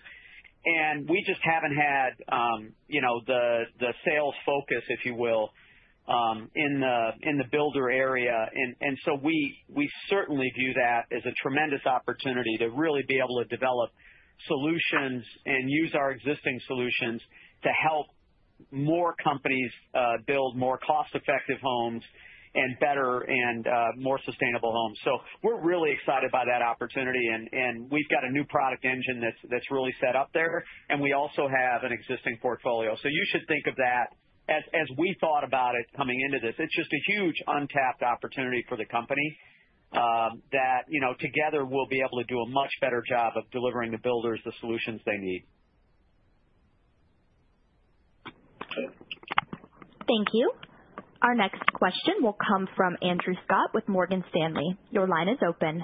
We just haven't had the sales focus, if you will, in the builder area. We certainly view that as a tremendous opportunity to really be able to develop solutions and use our existing solutions to help more companies build more cost effective homes and better and more sustainable homes. We're really excited by that opportunity. We have a new product engine that's really set up there and we also have an existing portfolio. You should think of that. As we thought about it coming into this, it's just a huge untapped opportunity for the company that together we'll be able to do a much better job of delivering the builders the solutions they need. Thank you. Our next question will come from Andrew Scott with Morgan Stanley. Your line is open.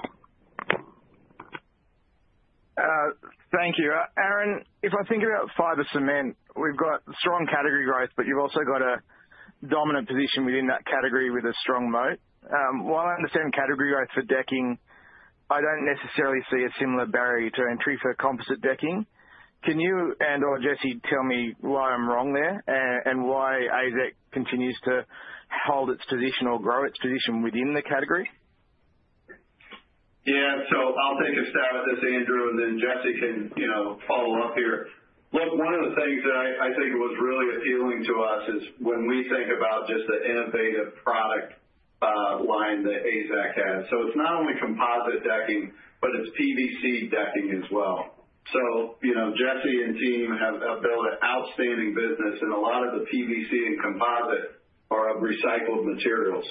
Thank you, Aaron. If I think about fiber cement, we've got strong category growth, but you've also got a dominant position within that category with a strong moat. While I understand category growth for decking, I don't necessarily see a similar barrier to entry for composite decking. Can you and or Jesse tell me why I'm wrong there and why AZEK continues to hold its position or grow its position within the category? Yes. I'll take a stab at this, Andrew, and then Jesse can follow up here. Look, one of the things that I think was really appealing to us is when we think about just the innovative product line that AZEK has. It's not only composite decking, but it's PVC decking as well. You know, Jesse and team have built an outstanding business and a lot of the PVC and composite are of recycled materials.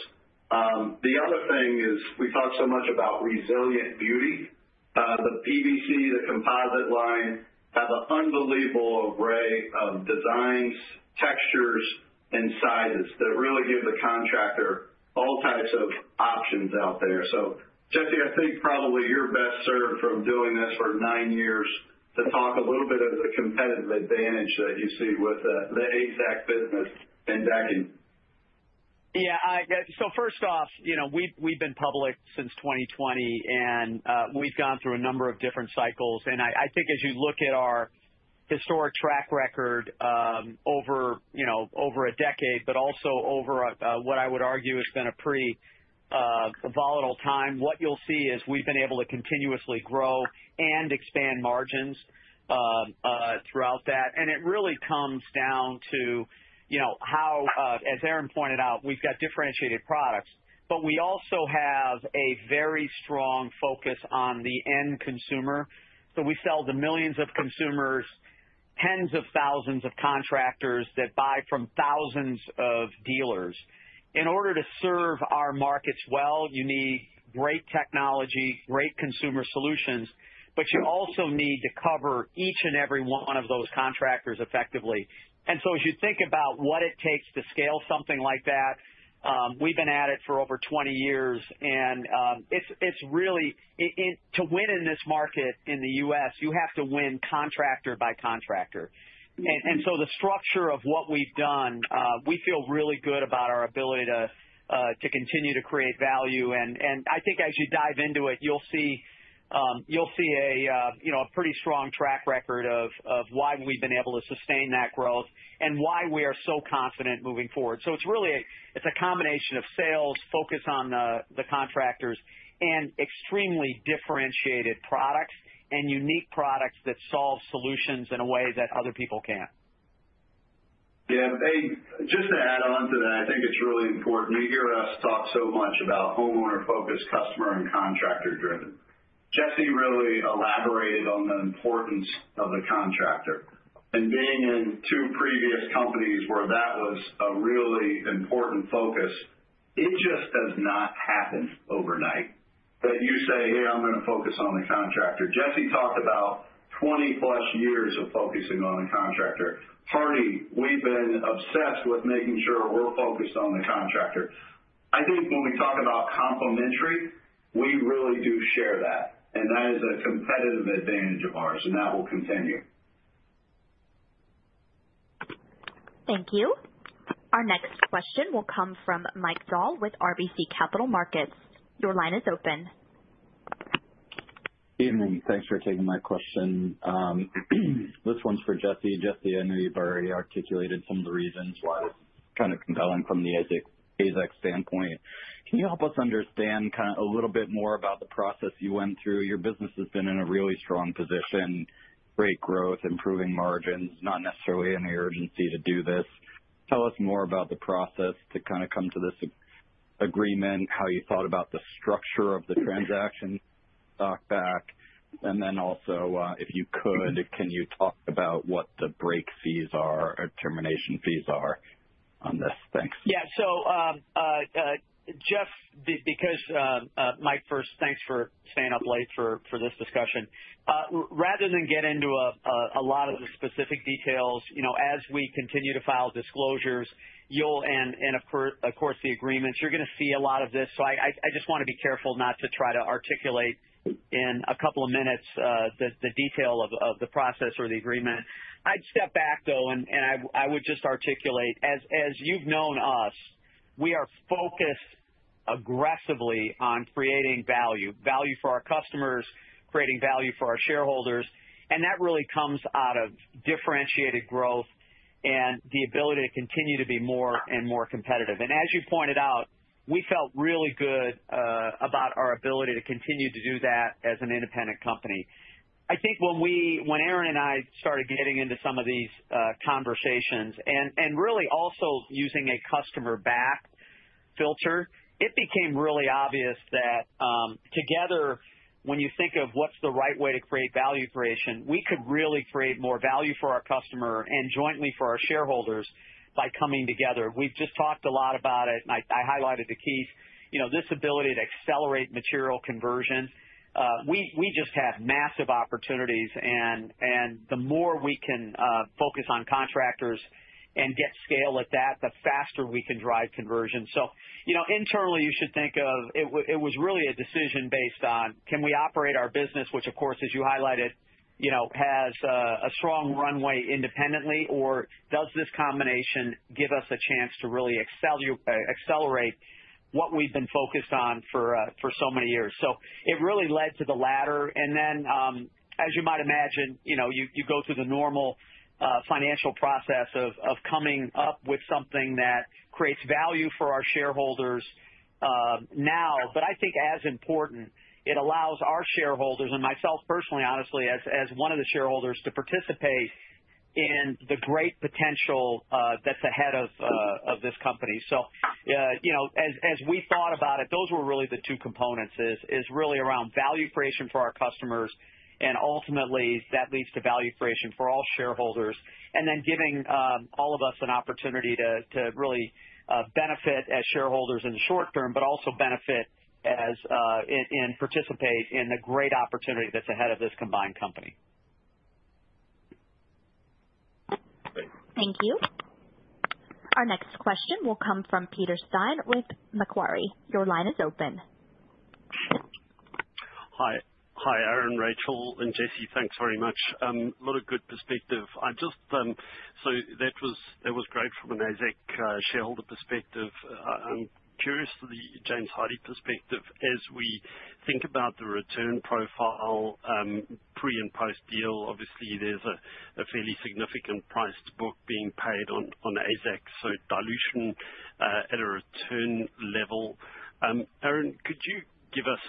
The other thing is we talk so much about resilient beauty. The PVC, the composite line have an unbelievable array of designs, textures and sizes that really give the contractor all types of options out there. Jesse, I think probably you're best served from doing this for nine years to talk a little bit of the competitive advantage that you see with the AZEK business and decking. Yeah, so first off, you know, we've been public since 2020 and we've gone through a number of different cycles and I think as you look at our historic track record over, you know, over a decade, but also over what I would argue has been a pretty volatile time. What you'll see is we've been able to continuously grow and expand margins throughout that. It really comes down to, you know, how, as Aaron pointed out, we've got differentiated products but we also have a very strong focus on the end consumer. We sell to millions of consumers, tens of thousands of contractors that buy from thousands of dealers. In order to serve our markets well, you need great technology, great consumer solutions, but you also need to cover each and every one of those contractors effectively. As you think about what it takes to scale something like that, we've been at it for over 20 years and to win in this market in the U.S. you have to win contractor by contractor. The structure of what we've done, we feel really good about our ability to continue to create value. I think as you dive into it, you'll see a pretty strong track record of why we've been able to sustain that growth and why we are so confident moving forward. It is really a combination of sales focus on the contractors and extremely differentiated products and unique products that solve solutions in a way that other people can't. Yeah. Just to add on to that, I think it's really important you hear us talk so much about homeowner focused, customer and contractor driven. Jesse really elaborated on the importance of the contractor and being in two previous companies where that was a really important focus. It just does not happen overnight that you say, hey, I'm going to focus on the contractor. Jesse talked about 20 plus years of focusing on the contractor. Hardie. We've been obsessed with making sure we're focused on the contractor. I think when we talk about complementary, we really do share that and that is a competitive advantage of ours, that will continue. Thank you. Our next question will come from Mike Dahl with RBC Capital Markets. Your line is open. Evening. Thanks for taking my question. This one's for Jesse. Jesse, I know you've already articulated some of the reasons why it's kind of compelling from the AZEK standpoint. Can you help us understand a little bit more about the process you went through? Your business has been in a really strong position, great growth, improving margins, not necessarily any urgency to do this. Tell us more about the process, to kind of come to this agreement, how you thought about the structure of the transaction, stock back. If you could, can you talk about what the break fees are or termination fees are on this? Thanks. Yeah. just because, Mike, first, thanks for staying up late for this discussion. Rather than get into a lot of the specific details, you know, as we continue to file disclosures and of course the agreements, you're going to see a lot of this. I just want to be careful not to try to articulate in a couple of minutes the detail of the process or the agreement. I'd step back though, and I would just articulate. As you've known us, we are focused aggressively on creating value, value for our customers, creating value for our shareholders. That really comes out of differentiated growth and the ability to continue to be more and more competitive. As you pointed out, we felt really good about our ability to continue to do that as an independent company. I think when Aaron and I started getting into some of these conversations and really also using a customer-backed filter, it became really obvious that together when you think of what's the right way to create value creation, we could really create more value for our customer and jointly for our shareholders by coming together. We just talked a lot about it and I highlighted to Keith this ability to accelerate material conversion. We just have massive opportunities and the more we can focus on contractors and get scale at that, the faster we can drive conversion. Internally you should think of it was really a decision based on can we operate our business, which of course as you highlighted has a strong runway independently, or can we. Does this combination give us a chance to really accelerate what we've been focused on for so many years? It really led to the latter. As you might imagine, you go through the normal financial process of coming up with something that creates value for our shareholders now. I think as important, it allows our shareholders and myself personally, honestly as one of the shareholders, to participate in the great potential that's ahead of this company. As we thought about it, those were really the two components. It is really around value creation for our customers, and ultimately that leads to value creation for all shareholders, and then giving all of us an opportunity to really benefit as shareholders in the short term, but also benefit and participate in the great opportunity that's ahead of this combined company. Thank you. Our next question will come from Peter Steyn with Macquarie. Your line is open. Hi, Aaron, Rachel and Jesse, thanks very much. What a good perspective. I just that was great from a James Hardie shareholder perspective. I'm curious for the James Hardie perspective as we think about the return profile pre and post deal. Obviously there's a fairly significant price to book being paid on AZEK, so dilution at a return level. Aaron, could you give us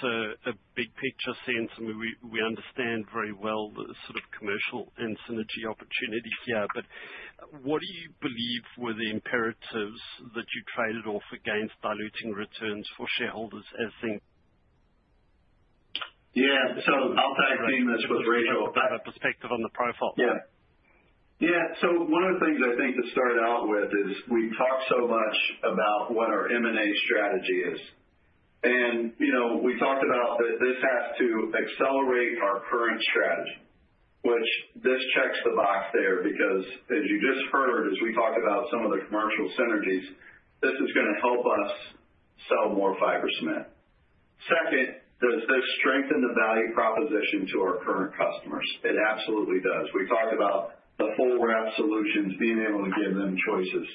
a big picture sense? We understand very well the sort of commercial and synergy opportunities here, but what do you believe were the imperatives that you traded off against diluting returns for shareholders as things. Yeah, I'll tag team this with Rachel. I have a perspective on the profile. Yeah, yeah. One of the things I think to start out with is we talk so much about what our M and A strategy is and you know, we talked about that this has to accelerate our current strategy which this checks the box there because as you just heard as we talked about some of the commercial synergies, this is going to help us sell more fiber cement. Second, does this strengthen the value proposition to our current customers? It absolutely does. We talk about the full wrap solutions, being able to give them choices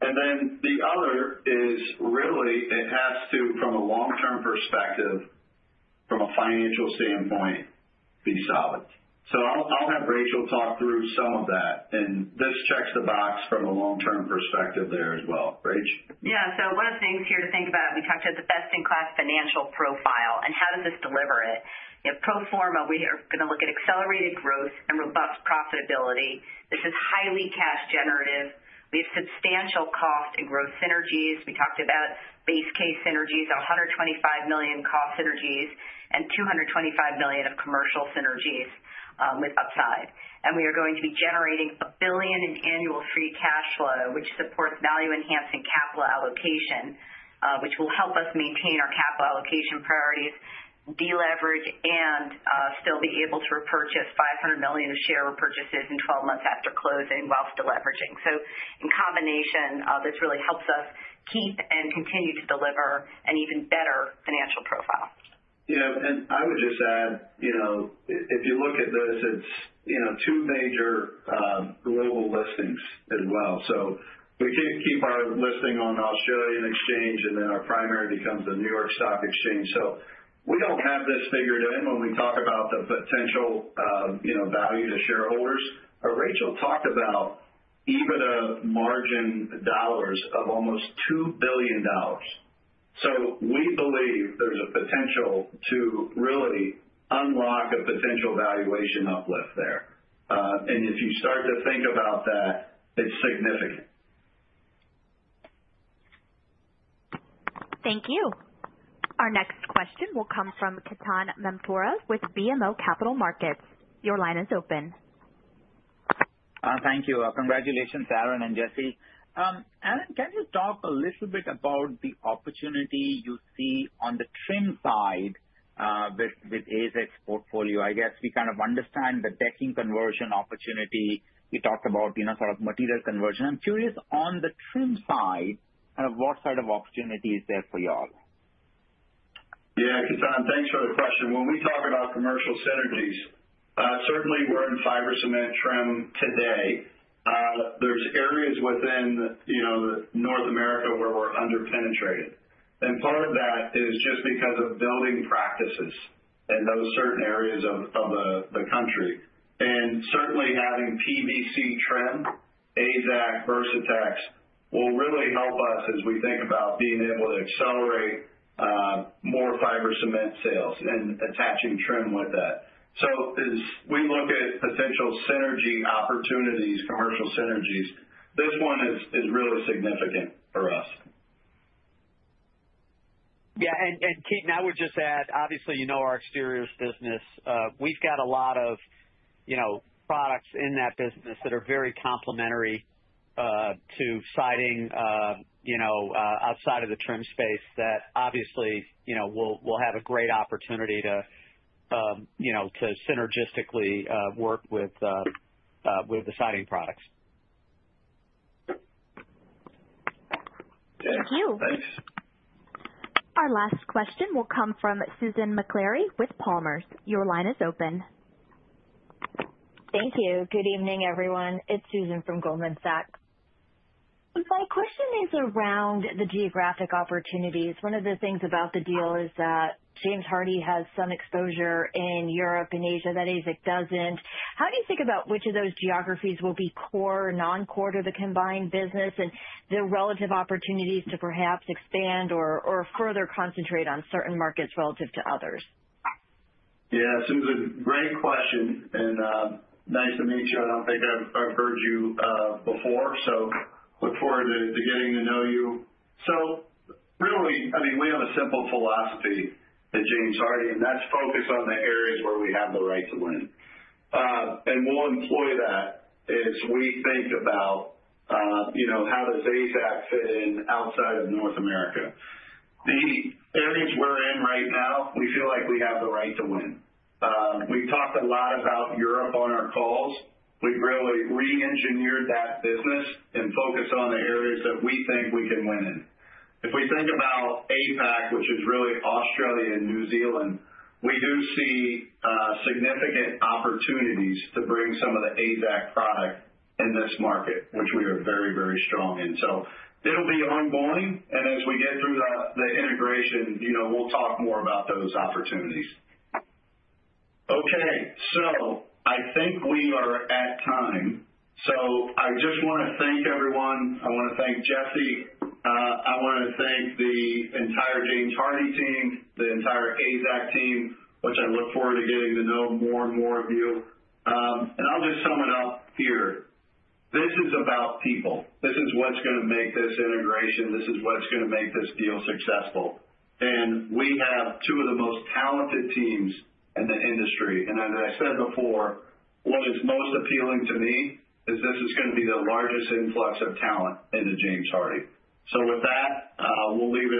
and then the other is really it has to from a long term perspective, from a financial standpoint be solid. I'll have Rachel talk through some of that and this checks the box from a long term perspective there as well. Rachel. Yeah. One of the things here to think about, we talked about the best in class financial profile and how does this deliver it? Pro forma we are going to look at accelerated growth and robust profitability. This is highly cash generative. We have substantial cost and growth synergies. We talked about base case synergies, $125 million cost synergies and $225 million of commercial synergies with upside. We are going to be generating $1 billion in annual free cash flow which supports value enhancing capital allocation which will help us maintain our capital allocation priorities, deleverage, and still be able to repurchase $500 million of share repurchases in 12 months after closing whilst deleveraging. In combination this really helps us keep and continue to deliver an even better financial profile. Yeah. I would just add if you look at this, it's two major global listings as well. We keep our listing on the Australian Exchange and then our primary becomes the New York Stock Exchange. We do not have this figured in when we talk about the potential value to shareholders. Rachel talked about EBITDA margin dollars of almost $2 billion. We believe there's a potential to really unlock a potential valuation uplift there. If you start to think about that, it's significant. Thank you. Our next question will come from Ketan Mamtora with BMO Capital Markets. Your line is open. Thank you. Congratulations Aaron and Jesse. Aaron, can you talk a little bit about the opportunity you see on the trim side with AZEK's portfolio? I guess we kind of understand the decking conversion opportunity, we talked about sort of material conversion. I'm curious on the trim side, kind of what sort of opportunity is there for you all? Yeah, Ketan, thanks for the question. When we talk about commercial synergies, certainly we're in fiber cement trim today. There are areas within North America where we're underpenetrated, and part of that is just because of building practices in those certain areas of the country. Certainly, having PVC trim, AZEK, Versatex will really help us as we think about being able to accelerate more fiber cement sales and attaching trim with that. As we look at potential synergy opportunities, commercial synergies, this one is really significant for us. Yes, Ketan, I would just add, obviously, you know, our exteriors business, we've got a lot of products in that business that are very complementary to siding. You know, outside of the trim space that obviously, you know, we'll have a great opportunity to, you know, to synergistically work with the siding products. Thank you. Our last question will come from Susan Maklari with Palmers. Your line is open. Thank you. Good evening, everyone. It's Susan from Goldman Sachs. My question is around the geographic opportunities. One of the things about the deal is that James Hardie has some exposure in Europe and Asia that AZEK doesn't. How do you think about which of those geographies will be core or not core to the combined business and the relative opportunities to perhaps expand or further concentrate on certain markets relative to others? Yeah, Susan, great question and nice to meet you. I do not think I have heard you before, so look forward to getting to know you. I mean, we have a simple philosophy at James Hardie and that is focus on the areas where we have the right to win. We will employ that as we think about how does AZEK fit in outside of North America. The areas we are in right now, we feel like we have the right to win. We talked a lot about Europe on our calls. We have really re-engineered that business and focused on the areas that we think we can win in. If we think about APAC, which is really Australia and New Zealand, we do see significant opportunities to bring some of the AZEK product in this market which we are very, very strong in. It'll be ongoing and as we get through the integration, we'll talk more about those opportunities. I think we are at time. I just want to thank everyone. I want to thank Jesse. I want to thank the entire James Hardie team, the entire AZEK team, which I look forward to getting to know more and more of you. I'll just sum it up here. This is about people. This is what's going to make this integration. This is what's going to make this deal successful. We have two of the most talented teams in the industry. As I said before, what is most appealing to me is this is going to be the largest influx of talent into James Hardie. With that, we'll leave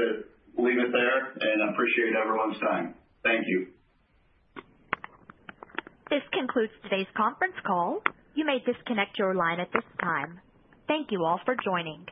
it there and appreciate everyone's time. Thank you. This concludes today's conference call. You may disconnect your line at this time. Thank you all for joining.